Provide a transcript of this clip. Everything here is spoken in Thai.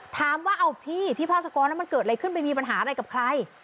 ถามว่าเอาพี่ที่พาสกรมันเกิดอะไรขึ้นไปมีปัญหาอะไรกับใคร